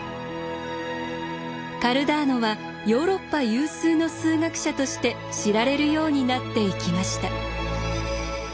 カルダーノはヨーロッパ有数の数学者として知られるようになっていきました。